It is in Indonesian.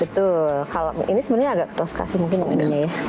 betul kalau ini sebenarnya agak ketoska sih mungkin yang ininya ya